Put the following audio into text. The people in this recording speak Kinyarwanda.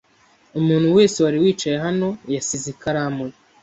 Umuntu wese wari wicaye hano yasize ikaramu ye.